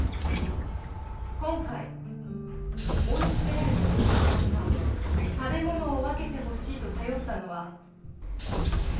今回追い詰められた息子さんが食べ物を分けてほしいと頼ったのはアリだけでしたね。